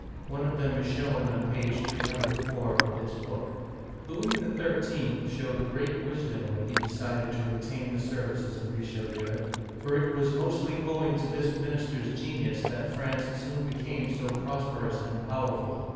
One of them is shown on page 304 of this book. Louis XII L showed great wisdom when he decided to retain the services of Richelieu, for it was inostly owing to this minister's genius that France soon became so prosper ous and powerful.